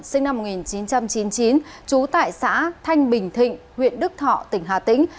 sinh năm một nghìn chín trăm chín mươi chín trú tại xã thanh bình thịnh huyện đức thọ tỉnh hà tĩnh